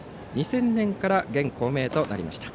２０００年から現校名となりました。